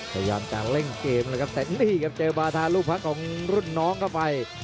พยายามจะเร่งเกมนะครับแต่นี่ครับเจอบาธาลูกพักของรุ่นน้องเข้าไป